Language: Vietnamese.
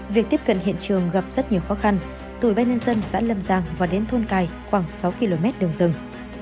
việc tiếp cận hiện trường gặp rất nhiều khó khăn từ ban nhân dân xã lâm giang và đến thôn cài khoảng sáu km đường rừng